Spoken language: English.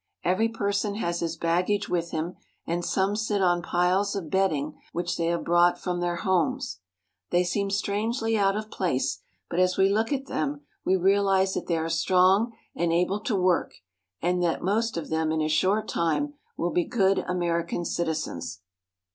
Every person has his baggage with him, and some sit on piles of bedding which they have brought from their homes. They seem strangely out of place ; but as we look at them we realize that they are strong and able to work, and that the most of them in a short time will be good American citizens.